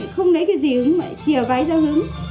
không lấy cái gì hứng mà chia váy ra hứng